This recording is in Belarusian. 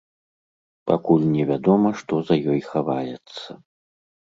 Пакуль невядома, што за ёй хаваецца.